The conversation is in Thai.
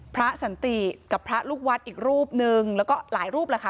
สันติกับพระลูกวัดอีกรูปนึงแล้วก็หลายรูปแหละค่ะ